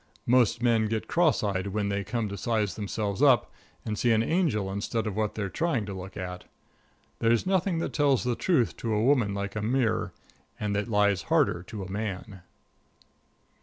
Most men get cross eyed when they come to size themselves up, and see an angel instead of what they're trying to look at. There's nothing that tells the truth to a woman like a mirror, or that lies harder to a man.